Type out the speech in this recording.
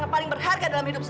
gilang kek gilang kek